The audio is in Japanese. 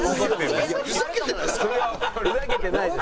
「ふざけてないです。